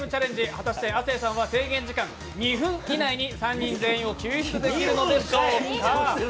果たして亜生さんは制限時間２分以内に３人全員を救出できるのでしょうか？